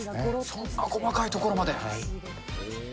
そんな細かいところまで。